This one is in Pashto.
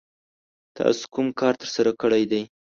تاسو کوم کار ترسره کړی دی؟